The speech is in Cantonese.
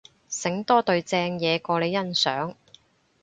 醒多隊正嘢過你欣賞